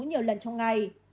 nhiều lần trong ngày